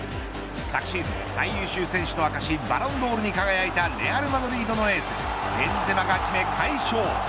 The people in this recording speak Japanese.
昨シーズン最優秀選手の証しバロンドールに輝いたレアルマドリードのエースベンゼマが決め快勝。